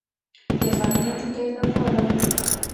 د غرمې ډوډۍ لپاره و.